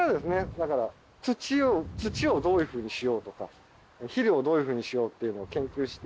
だから土を土をどういうふうにしようとか肥料をどういうふうにしようっていうのを研究して。